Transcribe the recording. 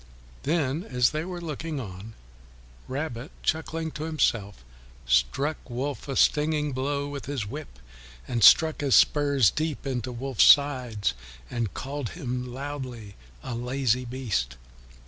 Then as they were looking on, Rabbit, chuckling to himself, struck Wolf a stinging blow with his whip, and stuck his spurs deep into Wolf's sides and called him loudly a lazy beast.